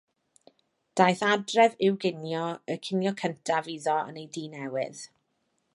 Daeth adref i'w ginio, y cinio cyntaf iddo yn ei dŷ newydd.